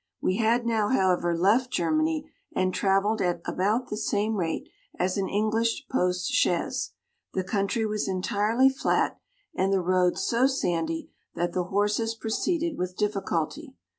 We had now, however, left Germany, and travelled at about the same rate as an English post chaise. The country was entirely flat, and the roads so sandy, that the horses pro ceeded with difficulty.